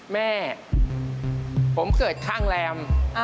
แม่ผมเกิดข้างแรม